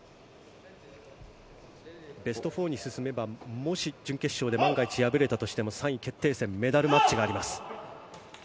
ベスト４に進めば、もし準決勝で万が一敗れたとしても３位決定戦メダルマッチがあります。